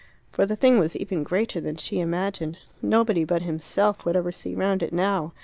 For the thing was even greater than she imagined. Nobody but himself would ever see round it now.